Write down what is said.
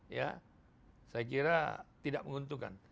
saya kira tidak menguntungkan